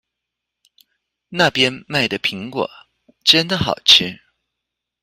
那邊賣的蘋果真的好吃